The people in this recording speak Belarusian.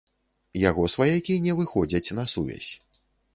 Яго сваякі не выходзяць на сувязь.